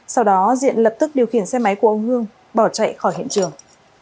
sau đó diện lập tức điều khiển xe máy của ông hương bỏ chạy khỏi hiện trường